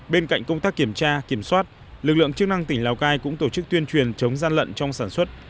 bên cạnh công tác kiểm tra kiểm soát lực lượng chức năng tỉnh lào cai cũng tổ chức tuyên truyền chống gian lận trong sản xuất